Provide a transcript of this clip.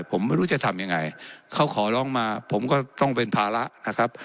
ผมไม่รู้จะทำยังไงเขาขอร้องมาผมก็ต้องเป็นภาระนะครับ